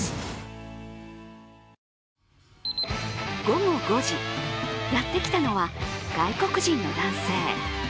午後５時、やってきたのは外国人の男性。